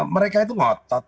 mereka itu ngotot